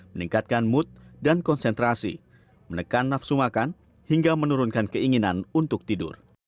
meningkatkan mood dan konsentrasi menekan nafsu makan hingga menurunkan keinginan untuk tidur